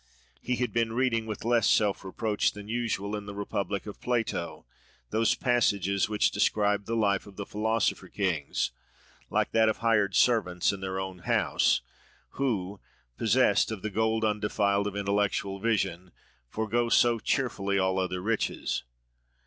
He had been reading, with less self reproach than usual, in the Republic of Plato, those passages which describe the life of the philosopher kings—like that of hired servants in their own house—who, possessed of the "gold undefiled" of intellectual vision, forgo so cheerfully all other riches.